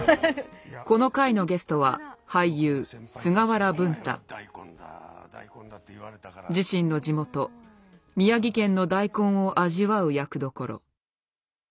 この回のゲストは自身の地元宮城県のダイコンを味わう役どころ。